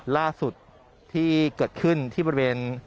ล่าสุดที่เกิดขึ้นที่บริเวณ